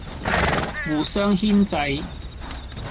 互相牽掣，